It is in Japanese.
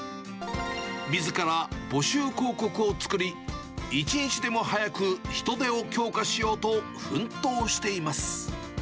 みずから募集広告を作り、一日でも早く人手を強化しようと奮闘しています。